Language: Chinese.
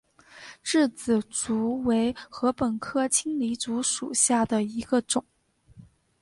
稚子竹为禾本科青篱竹属下的一个种。